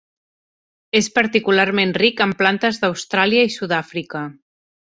És particularment ric en plantes d'Austràlia i Sud-àfrica.